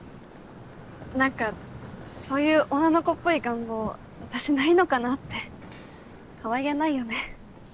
何かそういう女の子っぽい願望私ないのかなってかわいげないよね